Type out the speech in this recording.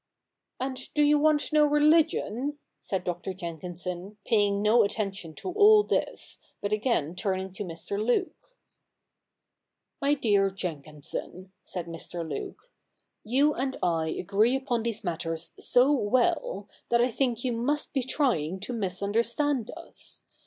' And do you want no religion ?' said Dr. Jenkinson, paying no attention to all this, but again turning to Mr. Luke. ' My dear Jenkinson,' said Mr. Luke, ' you and I agree upon these matters so well, that I think you must be trying to misunderstand us.